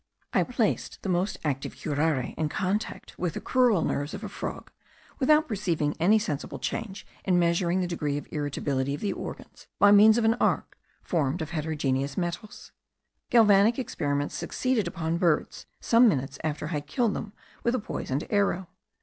I placed the most active curare in contact with the crural nerves of a frog, without perceiving any sensible change in measuring the degree of irritability of the organs, by means of an arc formed of heterogeneous metals. Galvanic experiments succeeded upon birds, some minutes after I had killed them with a poisoned arrow.